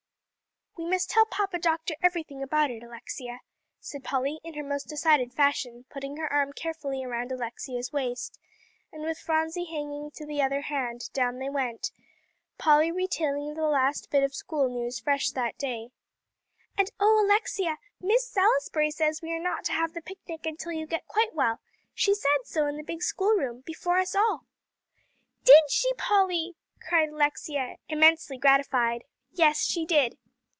"We must tell Papa Doctor everything about it, Alexia," said Polly in her most decided fashion, putting her arm carefully around Alexia's waist; and with Phronsie hanging to the other hand, down they went, Polly retailing the last bit of school news fresh that day. "And, oh, Alexia, Miss Salisbury said we are not to have the picnic until you get quite well; she said so in the big schoolroom, before us all." "Did she, Polly?" cried Alexia, immensely gratified. "Yes, she did."